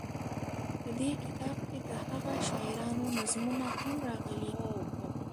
په دې کتاب کې دهغه شاعرانو نظمونه هم راغلي.